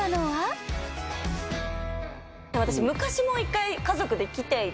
私昔も１回家族で来ていて。